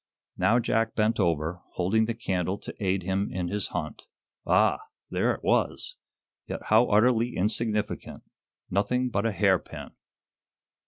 Now, Jack bent over, holding the candle to aid him in his hunt. Ah! There it was! Yet how utterly insignificant nothing but a hairpin!